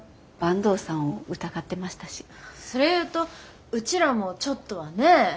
それ言うとうちらもちょっとはね。